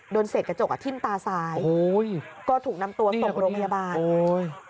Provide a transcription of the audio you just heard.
เสร็จกระจกอ่ะทิ้มตาซ้ายโอ้ยก็ถูกนำตัวส่งโรงพยาบาลโอ้ย